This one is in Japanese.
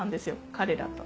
彼らと。